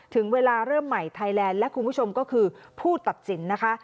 ถึงเวลาเริ่มใหม่ไทยแลนด์และคุณผู้ชมก็คือผู้ตัดสินนะคะ